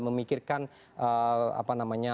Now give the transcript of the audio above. memikirkan apa namanya